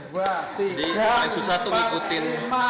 jadi paling susah tuh ngikutin